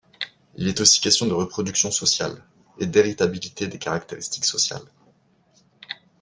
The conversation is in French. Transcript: Il est aussi question de reproduction sociale et d'héritabilité des caractéristiques sociales.